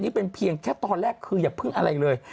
นี่เป็นเพียงแค่ตอนแรกคืออย่าพึ่งอะไรเลย